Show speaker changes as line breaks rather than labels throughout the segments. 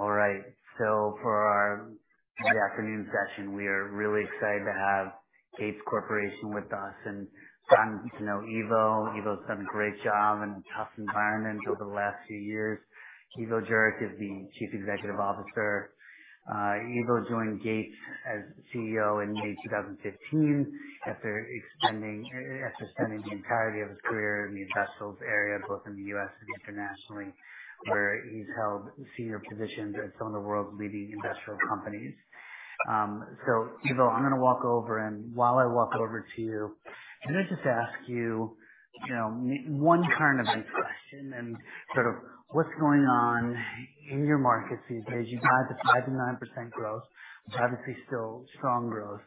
All right. For our Monday afternoon session, we are really excited to have Gates Corporation with us and gotten to know Ivo. Ivo's done a great job in a tough environment over the last few years. Ivo Jurek is the Chief Executive Officer. Ivo joined Gates as CEO in May 2015 after spending the entirety of his career in the industrials area, both in the U.S. and internationally, where he's held senior positions at some of the world's leading industrial companies. Ivo, I'm going to walk over, and while I walk over to you, I'm going to just ask you one kind of question and sort of what's going on in your markets these days? You've got a 5-9% growth, obviously still strong growth.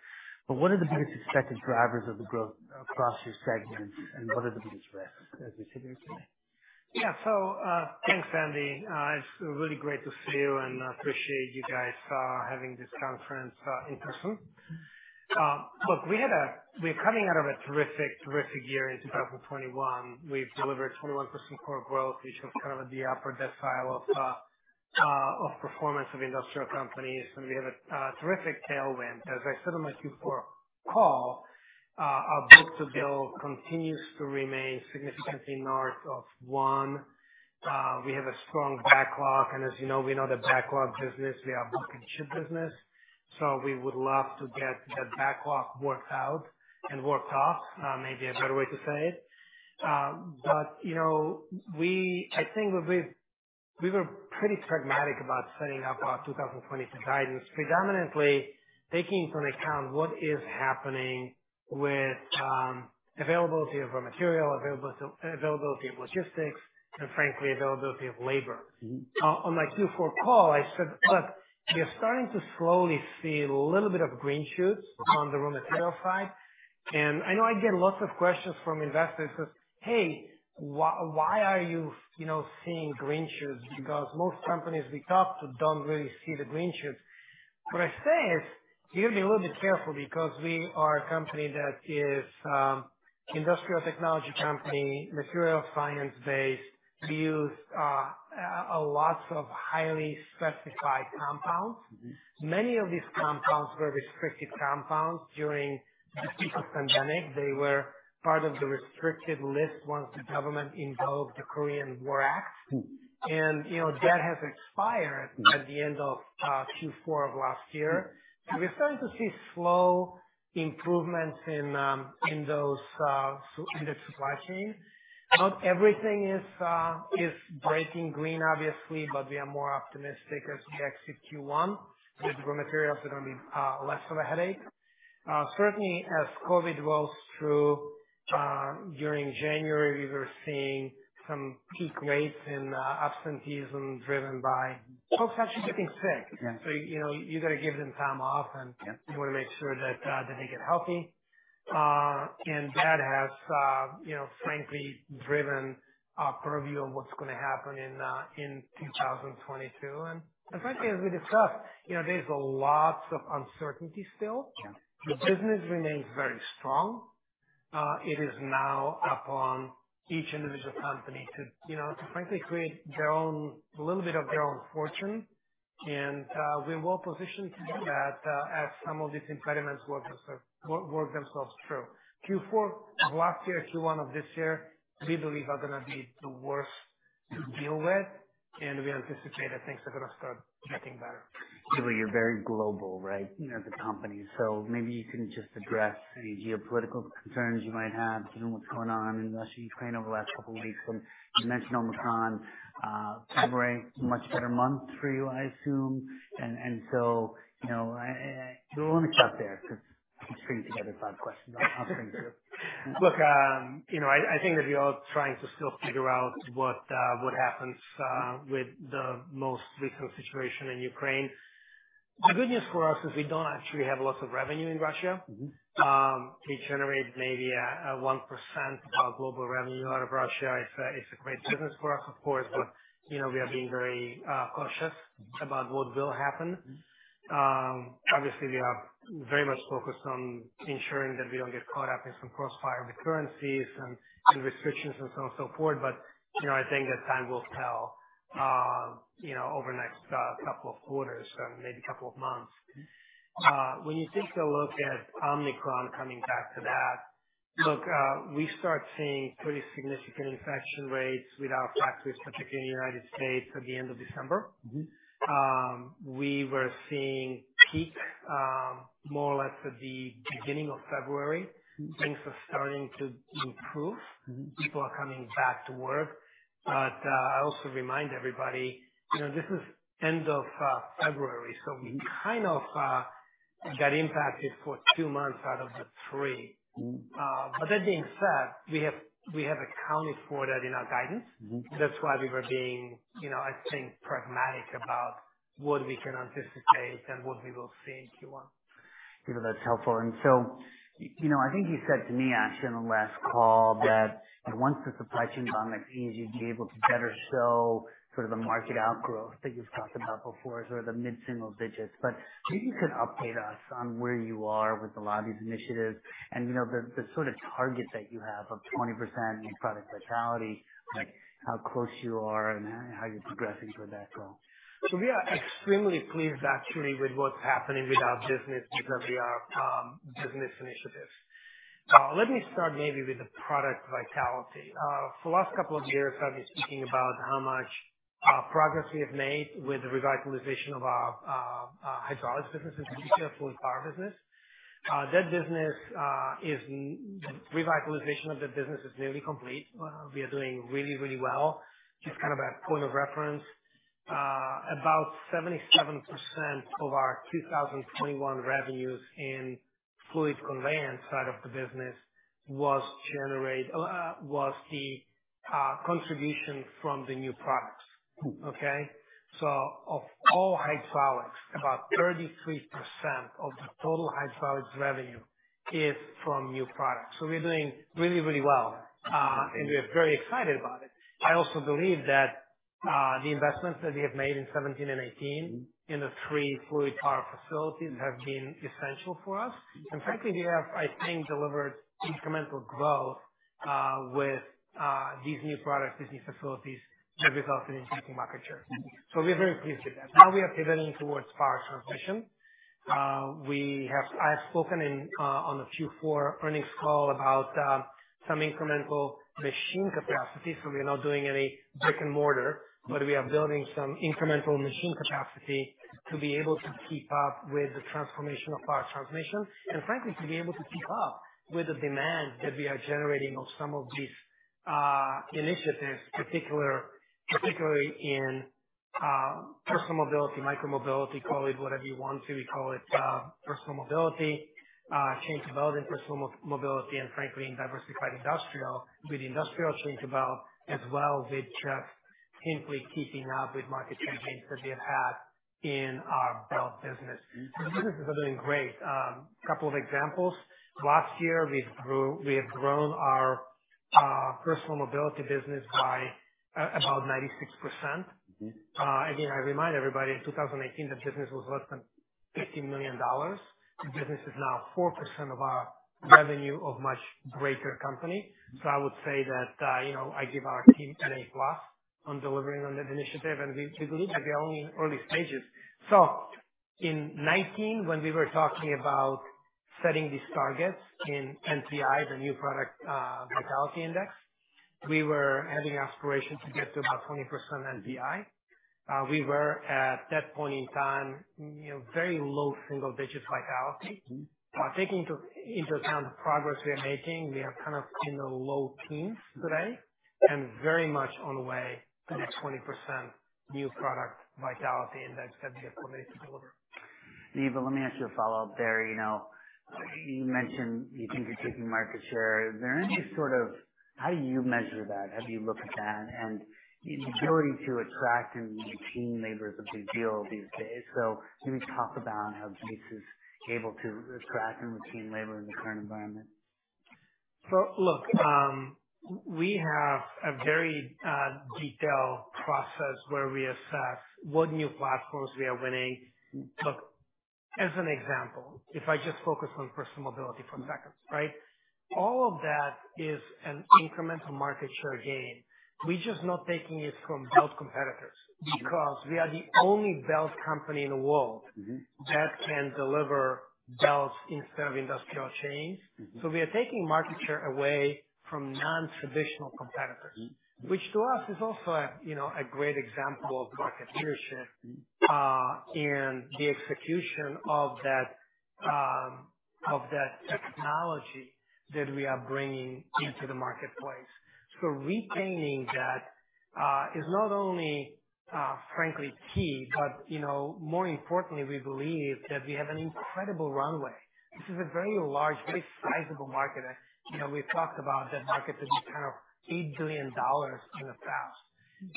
What are the biggest expected drivers of the growth across your segments, and what are the biggest risks as we sit here today?
Yeah. Thanks, Andy. It's really great to see you and appreciate you guys having this conference in person. Look, we're coming out of a terrific, terrific year in 2021. We've delivered 21% core growth, which was kind of at the upper decile of performance of industrial companies, and we have a terrific tailwind. As I said on my Q4 call, our book-to-bill continues to remain significantly north of 1. We have a strong backlog, and as you know, we know the backlog business. We have book-to-chip business, so we would love to get that backlog worked out and worked off, maybe a better way to say it. I think we were pretty pragmatic about setting up our 2022 guidance, predominantly taking into account what is happening with availability of raw material, availability of logistics, and frankly, availability of labor. On my Q4 call, I said, "Look, we are starting to slowly see a little bit of green shoots on the raw material side." I know I get lots of questions from investors that, "Hey, why are you seeing green shoots?" because most companies we talk to do not really see the green shoots. What I say is you have to be a little bit careful because we are a company that is an industrial technology company, material science-based. We use lots of highly specified compounds. Many of these compounds were restricted compounds during the COVID pandemic. They were part of the restricted list once the government invoked the Korean War Act. That has expired at the end of Q4 of last year. We are starting to see slow improvements in those in the supply chain. Not everything is breaking green, obviously, but we are more optimistic as we exit Q1. With raw materials, they are going to be less of a headache. Certainly, as COVID rolls through during January, we were seeing some peak rates in absenteeism driven by folks actually getting sick. You have to give them time off, and you want to make sure that they get healthy. That has, frankly, driven our purview of what is going to happen in 2022. Frankly, as we discussed, there is a lot of uncertainty still. The business remains very strong. It is now upon each individual company to, frankly, create a little bit of their own fortune. We are well positioned to do that as some of these impediments work themselves through. Q4 of last year, Q1 of this year, we believe are going to be the worst to deal with, and we anticipate that things are going to start getting better.
Ivo, you're very global, right, as a company. Maybe you can just address any geopolitical concerns you might have, given what's going on in Russia, Ukraine over the last couple of weeks. You mentioned Omicron. February, much better month for you, I assume. We'll only stop there because I'm stringing together five questions. I'll string through.
Look, I think that we are all trying to still figure out what happens with the most recent situation in Ukraine. The good news for us is we do not actually have lots of revenue in Russia. We generate maybe 1% of our global revenue out of Russia. It is a great business for us, of course, but we are being very cautious about what will happen. Obviously, we are very much focused on ensuring that we do not get caught up in some crossfire with currencies and restrictions and so on and so forth. I think that time will tell over the next couple of quarters and maybe a couple of months. When you take a look at Omicron, coming back to that, look, we start seeing pretty significant infection rates with our factories, particularly in the United States, at the end of December. We were seeing peak more or less at the beginning of February. Things are starting to improve. People are coming back to work. I also remind everybody this is end of February, so we kind of got impacted for two months out of the three. That being said, we have accounted for that in our guidance. That is why we were being, I think, pragmatic about what we can anticipate and what we will see in Q1.
Ivo, that's helpful. I think you said to me, actually, on the last call that once the supply chain bomb is easy, you'd be able to better show sort of the market outgrowth that you've talked about before, sort of the mid-single digits. Maybe you could update us on where you are with a lot of these initiatives and the sort of target that you have of 20% in product vitality, how close you are and how you're progressing toward that goal.
We are extremely pleased, actually, with what's happening with our business because we are business initiatives. Let me start maybe with the product vitality. For the last couple of years, I've been speaking about how much progress we have made with the revitalization of our hydraulics business, in particular, fluid power business. That business is the revitalization of that business is nearly complete. We are doing really, really well. Just kind of a point of reference, about 77% of our 2021 revenues in fluid conveyance side of the business was the contribution from the new products. Okay? Of all hydraulics, about 33% of the total hydraulics revenue is from new products. We are doing really, really well, and we are very excited about it. I also believe that the investments that we have made in 2017 and 2018 in the three fluid power facilities have been essential for us. Frankly, we have, I think, delivered incremental growth with these new products, these new facilities that resulted in increasing market share. We are very pleased with that. Now we are pivoting towards power transmission. I have spoken on the Q4 earnings call about some incremental machine capacity. We are not doing any brick and mortar, but we are building some incremental machine capacity to be able to keep up with the transformation of power transmission and, frankly, to be able to keep up with the demand that we are generating of some of these initiatives, particularly in personal mobility, micromobility, call it whatever you want to. We call it personal mobility, chain-to-belt in personal mobility, and frankly, in diversified industrial with industrial chain-to-belt as well with just simply keeping up with market changes that we have had in our belt business. The businesses are doing great. A couple of examples. Last year, we have grown our personal mobility business by about 96%. Again, I remind everybody in 2018, the business was less than $15 million. The business is now 4% of our revenue of a much greater company. I would say that I give our team an A-plus on delivering on that initiative, and we believe that we are only in early stages. In 2019, when we were talking about setting these targets in NPI, the new product vitality index, we were having aspirations to get to about 20% NPI. We were, at that point in time, very low single-digit vitality. Taking into account the progress we are making, we are kind of in the low teens today and very much on the way to that 20% new product vitality index that we are committed to deliver.
Ivo, let me ask you a follow-up there. You mentioned you think you're taking market share. Is there any sort of how do you measure that? How do you look at that? The ability to attract and retain labor is a big deal these days. Maybe talk about how Gates is able to attract and retain labor in the current environment.
Look, we have a very detailed process where we assess what new platforms we are winning. Look, as an example, if I just focus on personal mobility for a second, right? All of that is an incremental market share gain. We're just not taking it from belt competitors because we are the only belt company in the world that can deliver belts instead of industrial chains. We are taking market share away from non-traditional competitors, which to us is also a great example of market leadership and the execution of that technology that we are bringing into the marketplace. Retaining that is not only, frankly, key, but more importantly, we believe that we have an incredible runway. This is a very large, very sizable market. We've talked about that market that we kind of $8 billion in the past.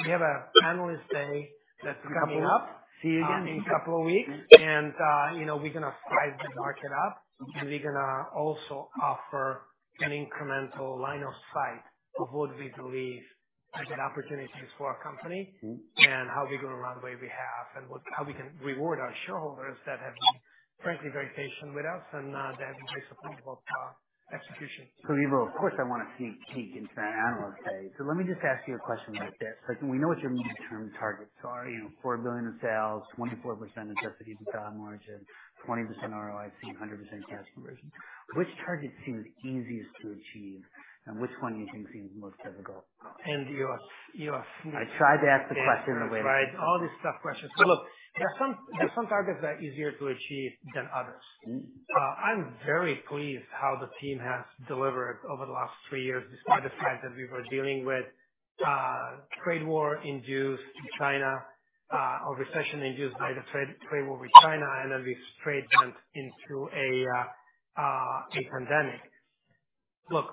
We have a panelist day that's coming up.
I will see you again.
In a couple of weeks, and we're going to size the market up, and we're going to also offer an incremental line of sight of what we believe are the opportunities for our company and how big of a runway we have and how we can reward our shareholders that have been, frankly, very patient with us and that have been very supportive of our execution.
Ivo, of course, I want to see peak into that analyst day. Let me just ask you a question like this. We know what your mid-term targets are. $4 billion in sales, 24% adjusted EBITDA margin, 20% ROIC, 100% cash conversion. Which target seems easiest to achieve, and which one do you think seems most difficult?
And your.
I tried to ask the question the way that.
I tried all these tough questions. Look, there are some targets that are easier to achieve than others. I'm very pleased how the team has delivered over the last three years despite the fact that we were dealing with trade war-induced China or recession-induced by the trade war with China, and then we straight went into a pandemic. Look,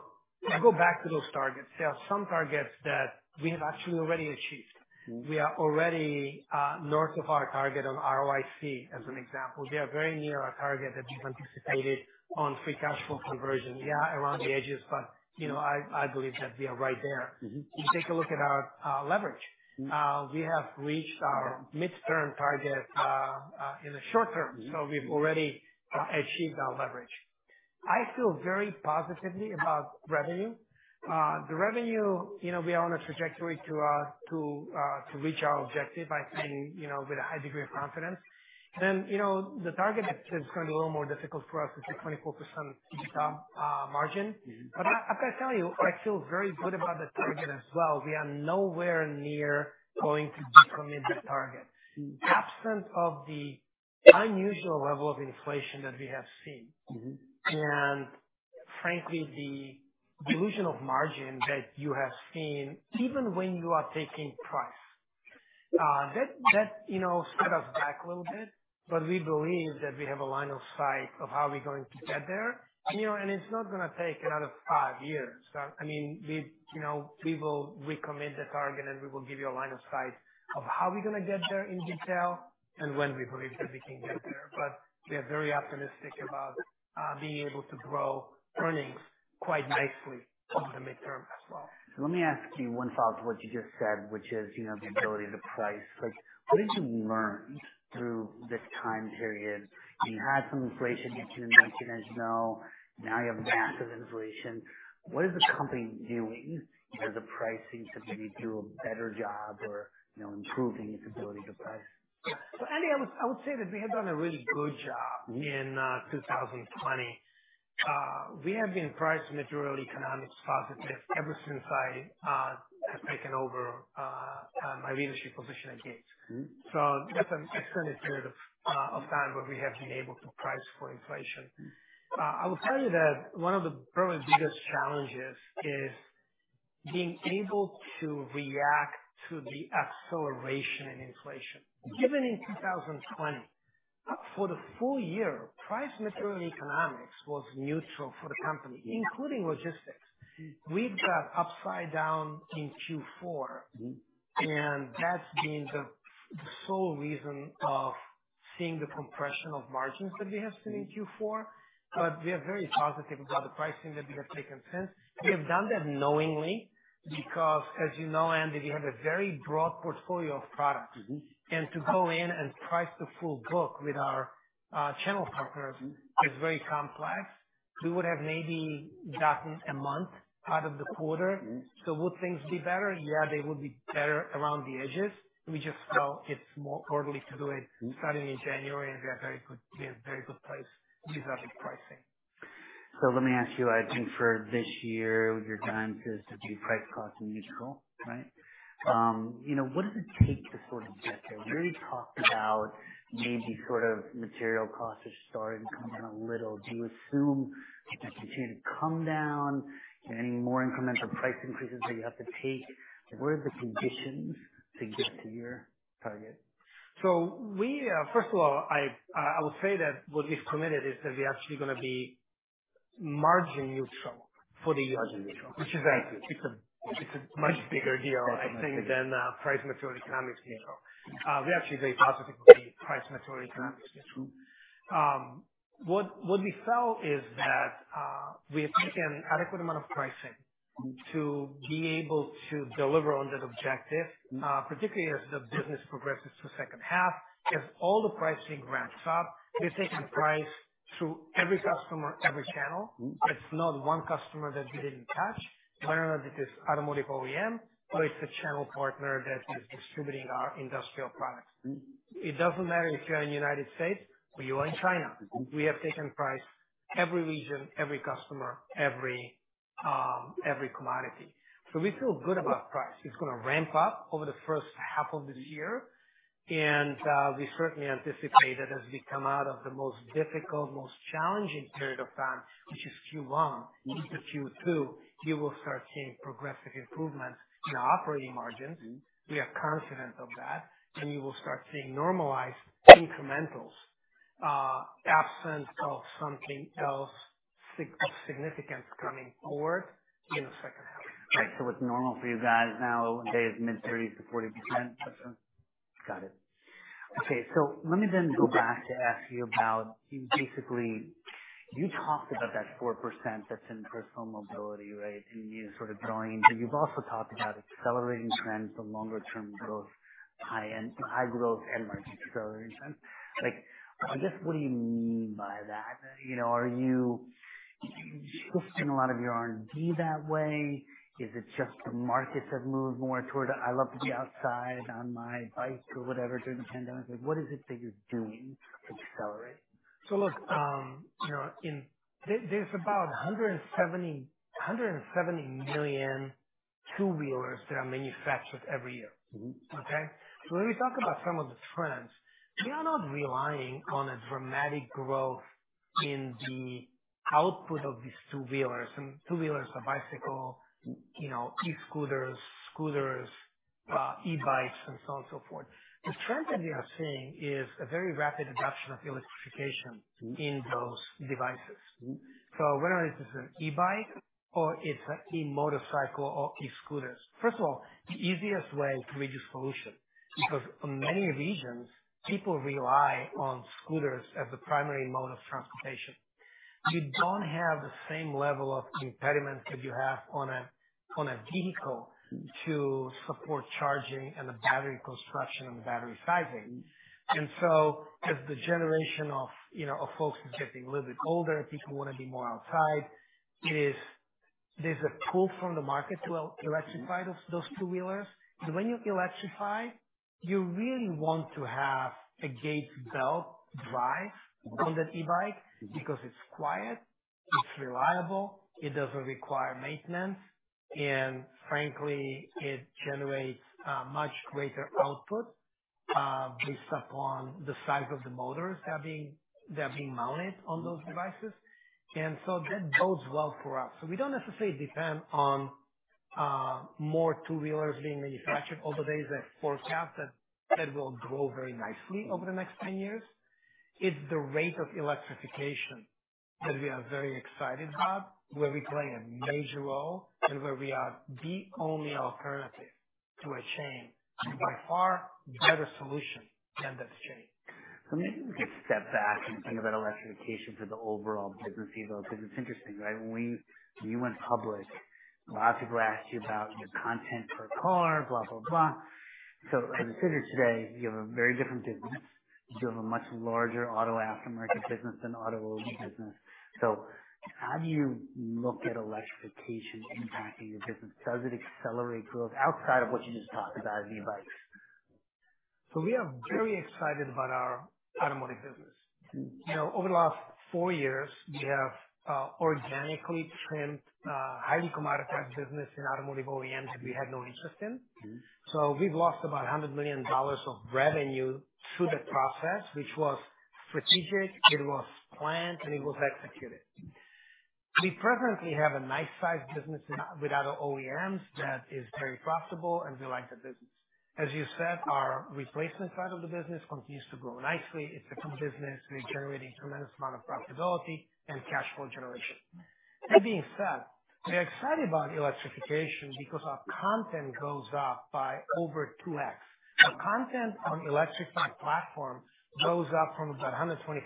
I go back to those targets. There are some targets that we have actually already achieved. We are already north of our target on ROIC, as an example. We are very near our target that we've anticipated on free cash flow conversion. Yeah, around the edges, but I believe that we are right there. You take a look at our leverage. We have reached our mid-term target in the short term. So we've already achieved our leverage. I feel very positively about revenue. The revenue, we are on a trajectory to reach our objective, I think, with a high degree of confidence. The target that's going to be a little more difficult for us is the 24% EBITDA margin. I have to tell you, I feel very good about the target as well. We are nowhere near going to decommit the target. Absent of the unusual level of inflation that we have seen and, frankly, the dilution of margin that you have seen, even when you are taking price, that set us back a little bit. We believe that we have a line of sight of how we're going to get there. It's not going to take another five years. I mean, we will recommit the target, and we will give you a line of sight of how we're going to get there in detail and when we believe that we can get there. We are very optimistic about being able to grow earnings quite nicely over the midterm as well.
Let me ask you one follow-up to what you just said, which is the ability to price. What have you learned through this time period? You had some inflation in 1999. Now you have massive inflation. What is the company doing as a pricing to maybe do a better job or improving its ability to price?
Andy, I would say that we have done a really good job in 2020. We have been priced materially economics positive ever since I have taken over my leadership position at Gates. That is an extended period of time where we have been able to price for inflation. I will tell you that one of the probably biggest challenges is being able to react to the acceleration in inflation. Given in 2020, for the full year, price materially economics was neutral for the company, including logistics. We got upside down in Q4, and that has been the sole reason of seeing the compression of margins that we have seen in Q4. We are very positive about the pricing that we have taken since. We have done that knowingly because, as you know, Andy, we have a very broad portfolio of products. To go in and price the full book with our channel partners is very complex. We would have maybe gotten a month out of the quarter. Would things be better? Yeah, they would be better around the edges. We just felt it is more orderly to do it starting in January, and we are in a very good place with our big pricing.
Let me ask you, I think for this year, your guidance is to be price cost neutral, right? What does it take to sort of get there? We already talked about maybe sort of material costs are starting to come down a little. Do you assume they continue to come down? Are there any more incremental price increases that you have to take? What are the conditions to get to your target?
First of all, I will say that what we've committed is that we're actually going to be margin neutral for the year.
Margin neutral.
Which is a much bigger deal, I think, than price materially economics neutral. We're actually very positive with the price materially economics neutral. What we felt is that we have taken an adequate amount of pricing to be able to deliver on that objective, particularly as the business progresses to the second half. As all the pricing ramps up, we've taken price through every customer, every channel. It's not one customer that we didn't touch. Whether or not it is automotive OEM or it's a channel partner that is distributing our industrial products. It doesn't matter if you're in the United States or you are in China. We have taken price every region, every customer, every commodity. So we feel good about price. It's going to ramp up over the first half of this year. We certainly anticipate that as we come out of the most difficult, most challenging period of time, which is Q1 into Q2, you will start seeing progressive improvements in our operating margins. We are confident of that. You will start seeing normalized incrementals absent of something else of significance coming forward in the second half.
Right. It is normal for you guys nowadays, mid-30s to 40%? Got it. Okay. Let me go back to ask you about basically, you talked about that 4% that is in personal mobility, right? You are sort of going into it. You have also talked about accelerating trends, the longer-term growth, high growth, and market acceleration trends. I guess, what do you mean by that? Are you shifting a lot of your R&D that way? Is it just the markets have moved more toward I love to be outside on my bike or whatever during the pandemic? What is it that you are doing to accelerate?
Look, there's about 170 million two-wheelers that are manufactured every year. Okay? When we talk about some of the trends, we are not relying on a dramatic growth in the output of these two-wheelers. Two-wheelers are bicycle, e-scooters, scooters, e-bikes, and so on and so forth. The trend that we are seeing is a very rapid adoption of electrification in those devices. Whether it is an e-bike or it's an e-motorcycle or e-scooters, first of all, the easiest way to reach a solution because in many regions, people rely on scooters as the primary mode of transportation. You don't have the same level of impediment that you have on a vehicle to support charging and the battery construction and the battery sizing. As the generation of folks is getting a little bit older, people want to be more outside. There's a pull from the market to electrify those two-wheelers. When you electrify, you really want to have a Gates belt drive on that e-bike because it's quiet, it's reliable, it doesn't require maintenance, and frankly, it generates a much greater output based upon the size of the motors that are being mounted on those devices. That bodes well for us. We don't necessarily depend on more two-wheelers being manufactured, although there is a forecast that will grow very nicely over the next 10 years. It's the rate of electrification that we are very excited about, where we play a major role and where we are the only alternative to a chain and by far better solution than that chain.
Maybe we could step back and think about electrification for the overall business, Ivo, because it's interesting, right? When you went public, a lot of people asked you about your content for a car, blah, blah, blah. As it is today, you have a very different business. You have a much larger auto aftermarket business than auto business. How do you look at electrification impacting your business? Does it accelerate growth outside of what you just talked about in the e-bikes?
We are very excited about our automotive business. Over the last four years, we have organically trimmed a highly commoditized business in automotive OEM that we had no interest in. We have lost about $100 million of revenue through that process, which was strategic. It was planned, and it was executed. We presently have a nice-sized business with other OEMs that is very profitable, and we like that business. As you said, our replacement side of the business continues to grow nicely. It is a business. We are generating a tremendous amount of profitability and cash flow generation. That being said, we are excited about electrification because our content goes up by over 2x. Our content on the electrified platform goes up from about $125 to $300.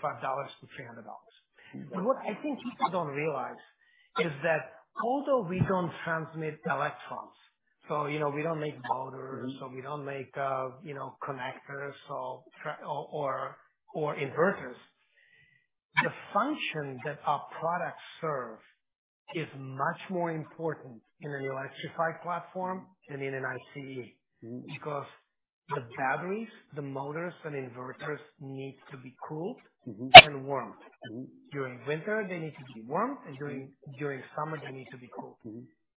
What I think people don't realize is that although we don't transmit electrons, so we don't make motors, so we don't make connectors or inverters, the function that our products serve is much more important in an electrified platform than in an ICE because the batteries, the motors, and inverters need to be cooled and warmed. During winter, they need to be warmed, and during summer, they need to be cooled.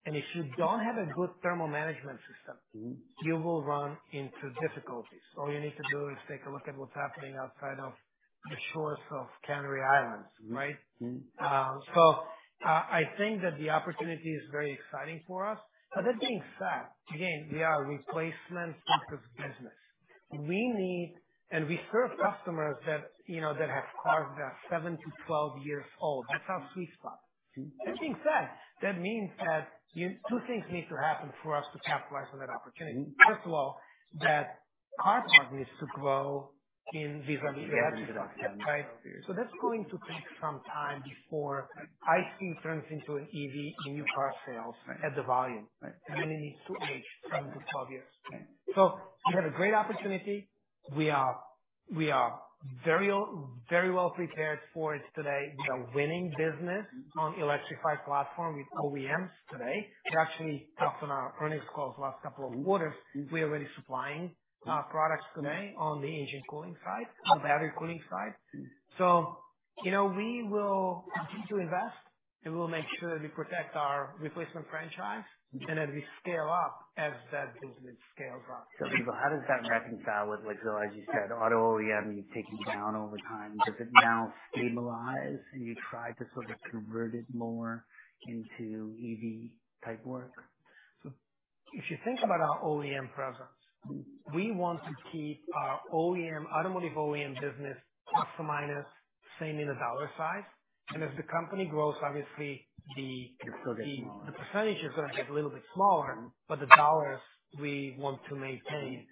If you don't have a good thermal management system, you will run into difficulties. All you need to do is take a look at what's happening outside of the shores of Canary Islands, right? I think that the opportunity is very exciting for us. That being said, again, we are a replacement-focused business. We need and we serve customers that have cars that are 7 to 12 years old. That's our sweet spot. That being said, that means that two things need to happen for us to capitalize on that opportunity. First of all, that car part needs to grow in vis-à-vis electrified, right? That's going to take some time before ICE turns into an EV in new car sales at the volume. Then it needs to age 7 to 12 years. We have a great opportunity. We are very well prepared for it today. We are winning business on the electrified platform with OEMs today. We actually talked on our earnings calls the last couple of quarters. We are already supplying products today on the engine cooling side, on the battery cooling side. We will continue to invest, and we will make sure that we protect our replacement franchise and that we scale up as that business scales up.
Ivo, how does that reconcile with, as you said, auto OEM you've taken down over time? Does it now stabilize? And you tried to sort of convert it more into EV-type work?
If you think about our OEM presence, we want to keep our automotive OEM business plus or minus the same in the dollar size. As the company grows, obviously, the percentage is going to get a little bit smaller, but the dollars we want to maintain.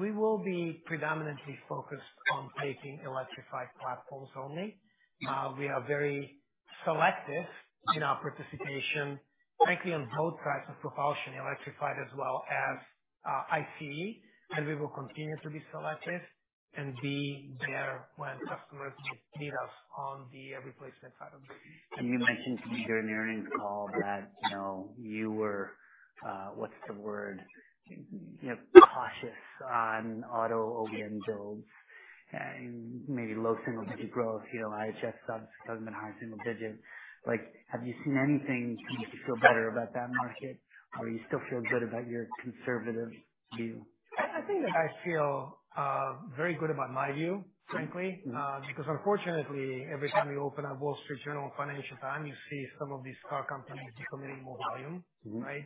We will be predominantly focused on taking electrified platforms only. We are very selective in our participation, frankly, on both types of propulsion, electrified as well as ICE. We will continue to be selective and be there when customers need us on the replacement side of the business.
You mentioned to me during the earnings call that you were, what's the word, cautious on auto OEM builds and maybe low single-digit growth. IHS does not have a single digit. Have you seen anything to make you feel better about that market? Or do you still feel good about your conservative view?
I think that I feel very good about my view, frankly, because unfortunately, every time you open up Wall Street Journal, Financial Times, you see some of these car companies becoming more volume, right?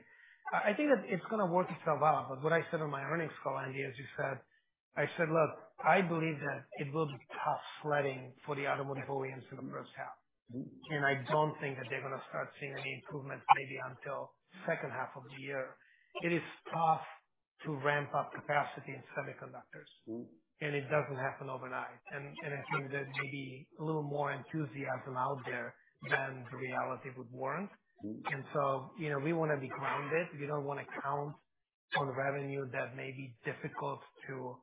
I think that it is going to work itself out. What I said on my earnings call, Andy, as you said, I said, "Look, I believe that it will be tough sledding for the automotive OEMs in the first half." I do not think that they are going to start seeing any improvements maybe until the second half of the year. It is tough to ramp up capacity in semiconductors. It does not happen overnight. I think that maybe there is a little more enthusiasm out there than the reality would warrant. We want to be grounded. We do not want to count on revenue that may be difficult to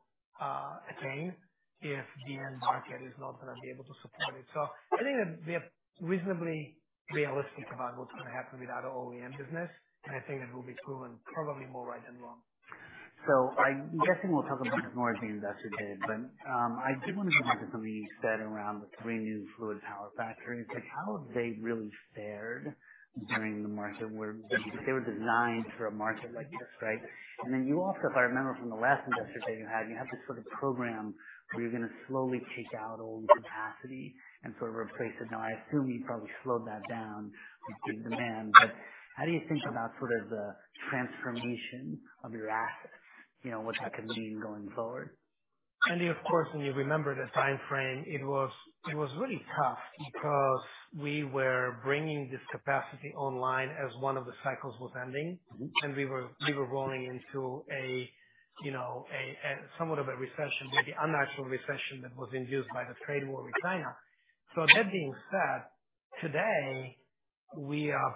attain if the end market is not going to be able to support it. I think that we are reasonably realistic about what is going to happen with our OEM business. I think that will be proven probably more right than wrong.
I'm guessing we'll talk about this more as the investor did. I did want to go back to something you said around the three new fluid power factories. How have they really fared during the market where they were designed for a market like this, right? If I remember from the last investor that you had, you have this sort of program where you're going to slowly take out old capacity and sort of replace it. I assume you probably slowed that down with the demand. How do you think about sort of the transformation of your assets, what that could mean going forward?
Andy, of course, when you remember the time frame, it was really tough because we were bringing this capacity online as one of the cycles was ending. We were rolling into a somewhat of a recession, maybe a natural recession that was induced by the trade war with China. That being said, today, we have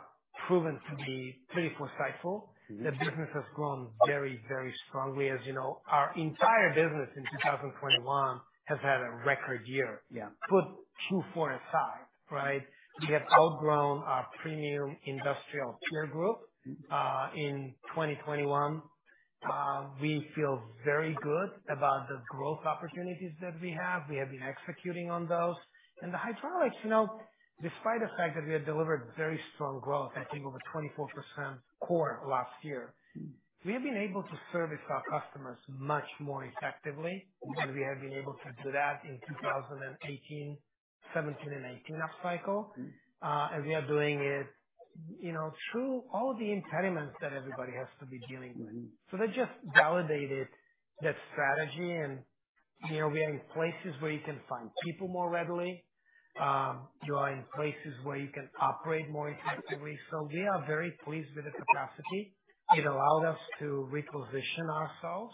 proven to be pretty foresightful. The business has grown very, very strongly. As you know, our entire business in 2021 has had a record year. Put Q4 aside, right, we have outgrown our premium industrial peer group in 2021. We feel very good about the growth opportunities that we have. We have been executing on those. The hydraulics, despite the fact that we have delivered very strong growth, I think over 24% core last year, we have been able to service our customers much more effectively than we have been able to do that in 2017 and 2018 upcycle. We are doing it through all the impediments that everybody has to be dealing with. That just validated that strategy. We are in places where you can find people more readily. You are in places where you can operate more effectively. We are very pleased with the capacity. It allowed us to reposition ourselves.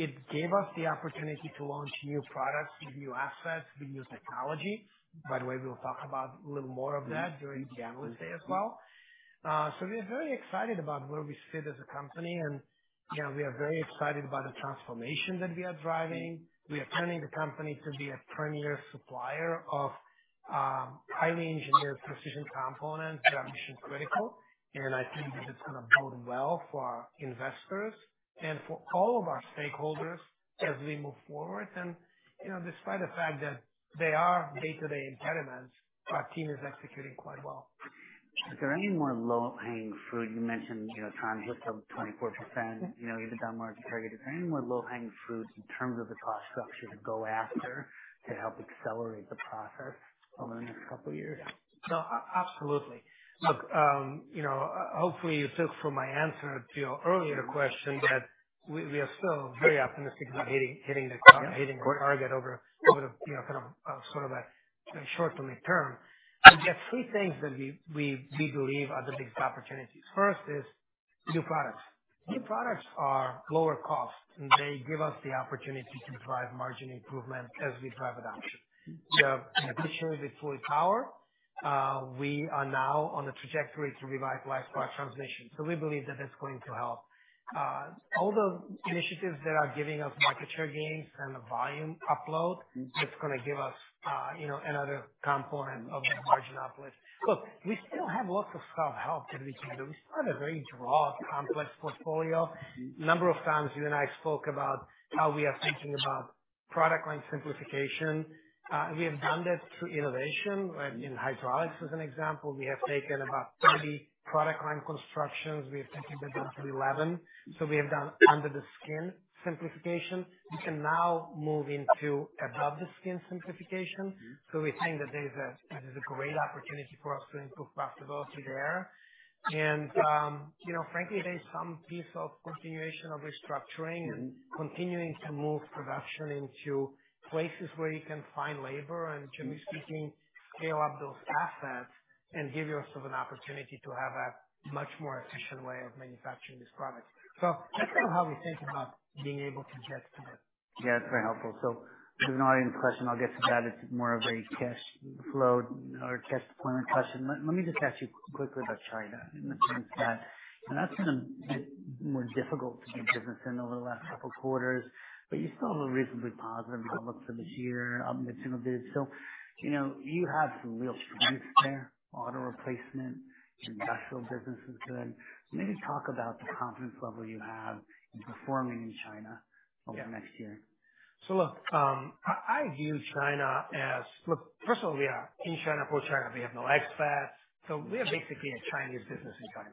It gave us the opportunity to launch new products, with new assets, with new technology. By the way, we will talk about a little more of that during the analyst day as well. We are very excited about where we sit as a company. We are very excited about the transformation that we are driving. We are turning the company to be a premier supplier of highly engineered precision components that are mission-critical. I think that it's going to bode well for our investors and for all of our stakeholders as we move forward. Despite the fact that they are day-to-day impediments, our team is executing quite well.
Is there any more low-hanging fruit? You mentioned trying to hit the 24%, even down market target. Is there any more low-hanging fruit in terms of the cost structure to go after to help accelerate the process over the next couple of years?
Yeah. No, absolutely. Look, hopefully, you took from my answer to your earlier question that we are still very optimistic about hitting the target over kind of sort of a short to midterm. We get three things that we believe are the biggest opportunities. First is new products. New products are lower cost, and they give us the opportunity to drive margin improvement as we drive adoption. In addition to the fluid power, we are now on the trajectory to revitalize power transmission. So we believe that that's going to help. All those initiatives that are giving us market share gains and a volume upload, that's going to give us another component of the margin uplift. Look, we still have lots of self-help that we can do. We still have a very broad, complex portfolio. A number of times, you and I spoke about how we are thinking about product line simplification. We have done that through innovation. In hydraulics, as an example, we have taken about 30 product line constructions. We have taken that down to 11. We have done under-the-skin simplification. We can now move into above-the-skin simplification. We think that there's a great opportunity for us to improve profitability there. Frankly, there's some piece of continuation of restructuring and continuing to move production into places where you can find labor and, generally speaking, scale up those assets and give yourself an opportunity to have a much more efficient way of manufacturing this product. That's kind of how we think about being able to get to that.
Yeah, that's very helpful. There is an audience question. I'll get to that. It is more of a cash flow or cash deployment question. Let me just ask you quickly about China in the sense that that has been a bit more difficult to do business in over the last couple of quarters. You still have a reasonably positive outlook for this year, up mid- to middle digits. You have some real strengths there, auto replacement, industrial business is good. Maybe talk about the confidence level you have in performing in China over the next year.
Yeah. Look, I view China as, look, first of all, we are in China for China. We have no expats. We are basically a Chinese business in China,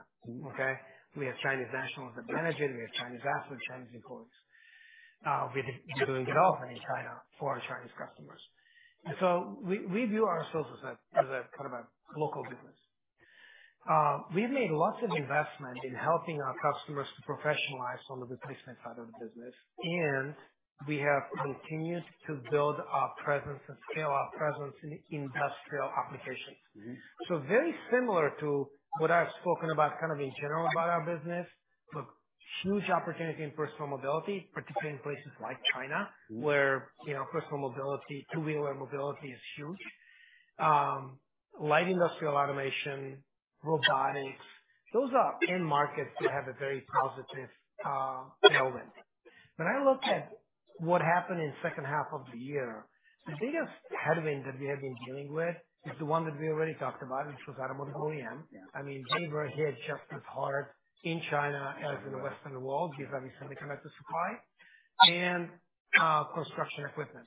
okay? We have Chinese nationals that manage it. We have Chinese assets, Chinese employees. We are doing development in China for our Chinese customers. We view ourselves as kind of a local business. We have made lots of investment in helping our customers to professionalize on the replacement side of the business. We have continued to build our presence and scale our presence in industrial applications. Very similar to what I have spoken about in general about our business, look, huge opportunity in personal mobility, particularly in places like China, where personal mobility, two-wheeler mobility is huge. Light industrial automation, robotics, those are end markets that have a very positive element. When I look at what happened in the second half of the year, the biggest headwind that we have been dealing with is the one that we already talked about, which was automotive OEM. I mean, they were hit just as hard in China as in the Western world, given the semiconductor supply and construction equipment.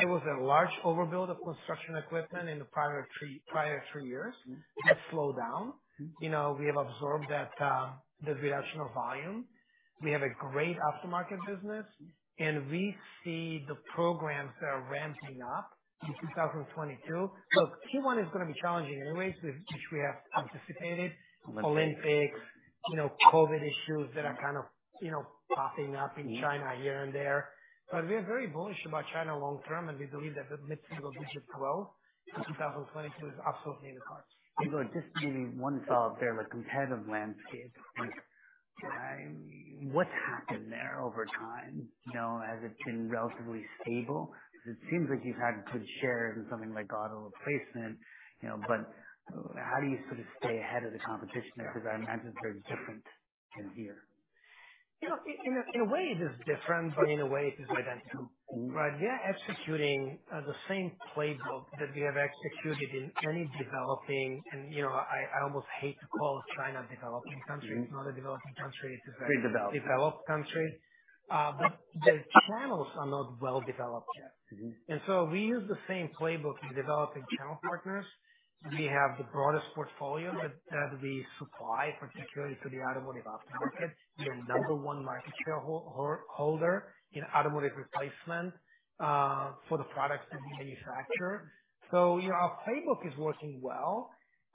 There was a large overbuild of construction equipment in the prior three years. That slowed down. We have absorbed that reduction of volume. We have a great aftermarket business. We see the programs that are ramping up in 2022. Look, Q1 is going to be challenging anyways, which we have anticipated. Olympics, COVID issues that are kind of popping up in China here and there. We are very bullish about China long-term. We believe that the mid-to middle digit growth in 2022 is absolutely in the cards.
Ivo, just maybe one thought there on the competitive landscape. What's happened there over time as it's been relatively stable? Because it seems like you've had a good share in something like auto replacement. How do you sort of stay ahead of the competition? I imagine it's very different in here.
In a way, it is different. In a way, it is identical, right? We are executing the same playbook that we have executed in any developing, and I almost hate to call China a developing country. It is not a developing country. It is a developed country. The channels are not well developed yet. We use the same playbook in developing channel partners. We have the broadest portfolio that we supply, particularly to the automotive aftermarket. We are number one market shareholder in automotive replacement for the products that we manufacture. Our playbook is working well.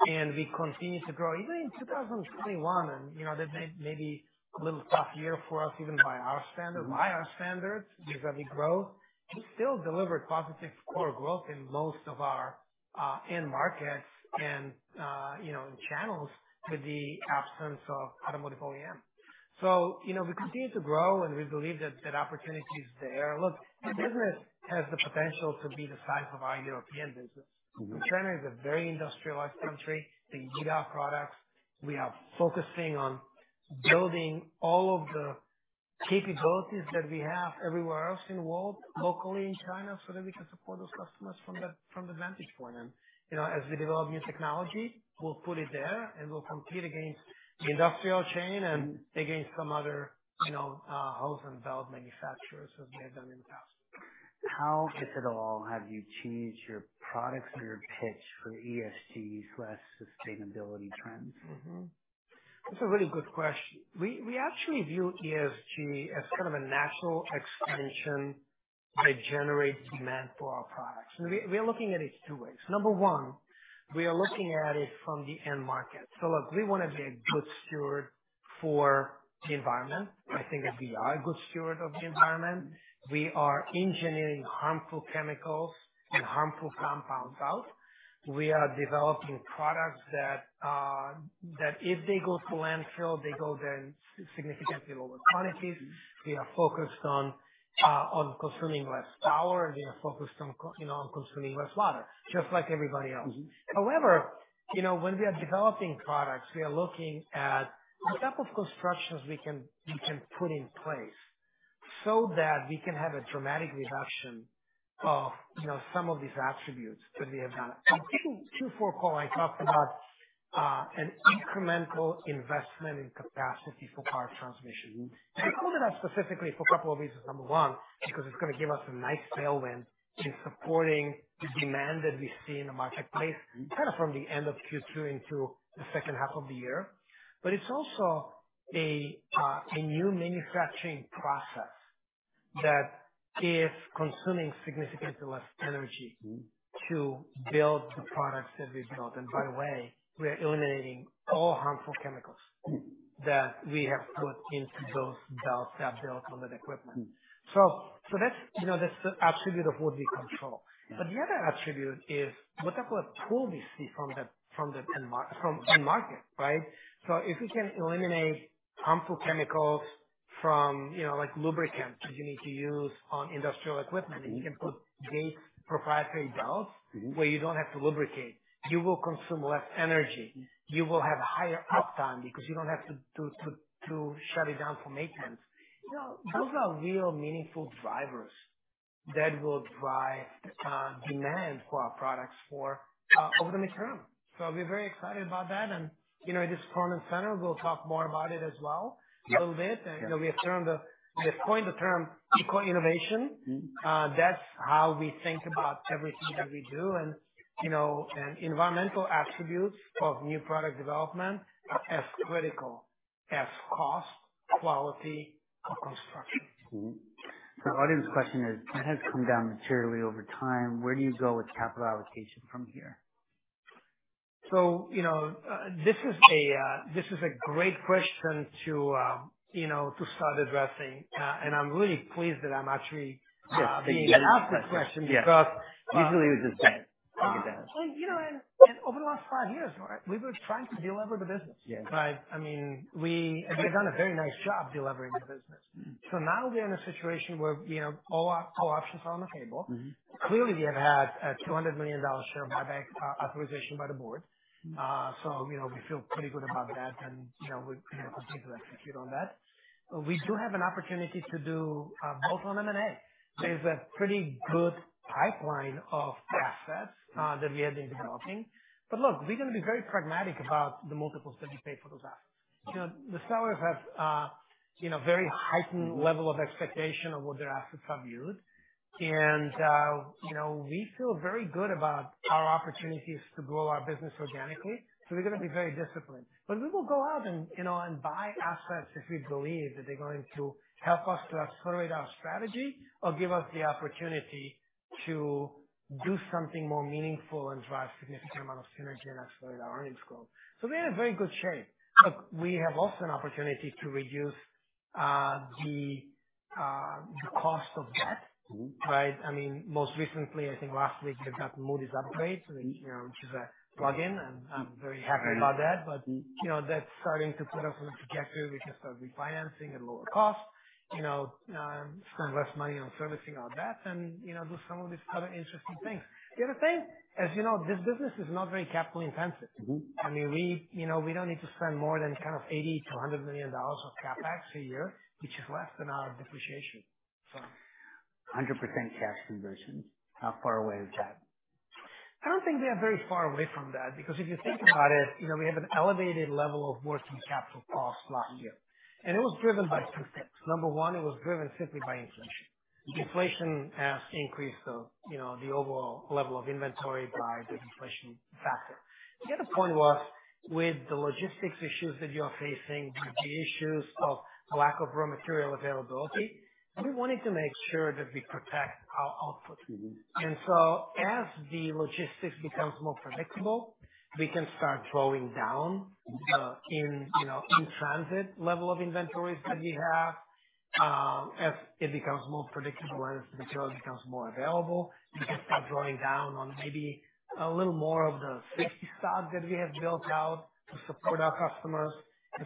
We continue to grow. Even in 2021, and that may be a little tough year for us even by our standards, given the growth, we still delivered positive core growth in most of our end markets and channels with the absence of automotive OEM. We continue to grow. We believe that that opportunity is there. Look, the business has the potential to be the size of our European business. China is a very industrialized country. They need our products. We are focusing on building all of the capabilities that we have everywhere else in the world, locally in China, so that we can support those customers from the vantage point. As we develop new technology, we'll put it there. We'll compete against the industrial chain and against some other house-and-build manufacturers, as we have done in the past.
How, if at all, have you changed your products or your pitch for ESG/sustainability trends?
That's a really good question. We actually view ESG as kind of a natural extension that generates demand for our products. We are looking at it two ways. Number one, we are looking at it from the end market. Look, we want to be a good steward for the environment. I think that we are a good steward of the environment. We are engineering harmful chemicals and harmful compounds out. We are developing products that, if they go to landfill, they go there in significantly lower quantities. We are focused on consuming less power. We are focused on consuming less water, just like everybody else. However, when we are developing products, we are looking at the type of constructions we can put in place so that we can have a dramatic reduction of some of these attributes that we have done. In Q4, I talked about an incremental investment in capacity for power transmission. I called it out specifically for a couple of reasons. Number one, because it's going to give us a nice tailwind in supporting the demand that we see in the marketplace kind of from the end of Q2 into the second half of the year. It is also a new manufacturing process that is consuming significantly less energy to build the products that we've built. By the way, we are eliminating all harmful chemicals that we have put into those belts that are built on that equipment. That is the attribute of what we control. The other attribute is what type of pull we see from the end market, right? If we can eliminate harmful chemicals from lubricant that you need to use on industrial equipment, and you can put Gates proprietary belts where you do not have to lubricate, you will consume less energy. You will have higher uptime because you do not have to shut it down for maintenance. Those are real meaningful drivers that will drive demand for our products over the midterm. We are very excited about that. In this context, we will talk more about it as well a little bit. We have coined the term eco-innovation. That is how we think about everything that we do. Environmental attributes of new product development are as critical as cost, quality, or construction.
The audience question is, that has come down materially over time. Where do you go with capital allocation from here?
This is a great question to start addressing. I'm really pleased that I'm actually being asked this question because.
Usually, we just say, "Thank you, Dennis.
Over the last five years, we've been trying to deliver the business. I mean, we have done a very nice job delivering the business. Now we're in a situation where all options are on the table. Clearly, we have had a $200 million share buyback authorization by the board. We feel pretty good about that, and we continue to execute on that. We do have an opportunity to do both on M&A. There's a pretty good pipeline of assets that we have been developing. Look, we're going to be very pragmatic about the multiples that we pay for those assets. The sellers have a very heightened level of expectation of what their assets are viewed. We feel very good about our opportunities to grow our business organically. We're going to be very disciplined. We will go out and buy assets if we believe that they're going to help us to accelerate our strategy or give us the opportunity to do something more meaningful and drive a significant amount of synergy and accelerate our earnings growth. We are in very good shape. Look, we have also an opportunity to reduce the cost of debt, right? I mean, most recently, I think last week, we've gotten Moody's upgrades, which is a plug-in. I'm very happy about that. That is starting to put us on the trajectory where we can start refinancing at lower cost, spend less money on servicing our debt, and do some of these other interesting things. The other thing, as you know, this business is not very capital-intensive. I mean, we do not need to spend more than kind of $80-$100 million of CapEx a year, which is less than our depreciation, so.
100% cash conversion. How far away is that?
I do not think we are very far away from that. Because if you think about it, we have an elevated level of working capital cost last year. It was driven by two things. Number one, it was driven simply by inflation. Inflation has increased the overall level of inventory by the deflation factor. The other point was, with the logistics issues that you are facing, with the issues of lack of raw material availability, we wanted to make sure that we protect our output. As the logistics becomes more predictable, we can start drawing down in transit level of inventories that we have. As it becomes more predictable and as the material becomes more available, we can start drawing down on maybe a little more of the safety stock that we have built out to support our customers.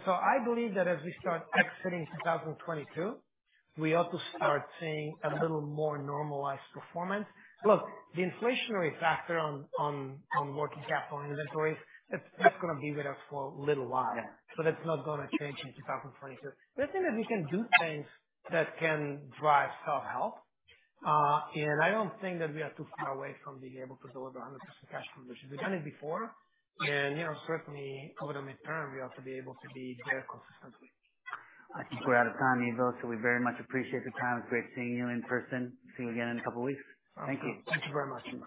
I believe that as we start exiting 2022, we ought to start seeing a little more normalized performance. Look, the inflationary factor on working capital inventories, that's going to be with us for a little while. That is not going to change in 2022. I think that we can do things that can drive self-help. I do not think that we are too far away from being able to deliver 100% cash conversion. We have done it before. Certainly, over the midterm, we ought to be able to be there consistently.
I think we're out of time, Ivo. So we very much appreciate the time. It's great seeing you in person. See you again in a couple of weeks. Thank you.
Thank you very much.